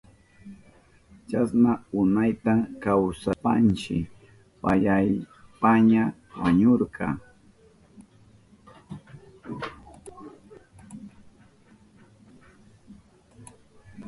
Chasna unayta kawsashpanshi payayashpaña wañurka.